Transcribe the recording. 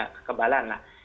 maka kebalan lah